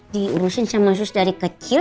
diurusin sama sus dari kecil